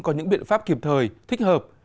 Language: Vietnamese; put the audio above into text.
có những biện pháp kịp thời thích hợp